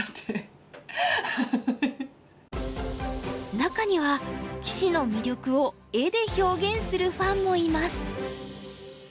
中には棋士の魅力を絵で表現するファンもいます。